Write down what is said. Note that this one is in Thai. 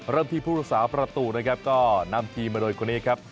ที่ผู้รักษาประตูนะครับก็นำทีมมาโดยคนนี้ครับ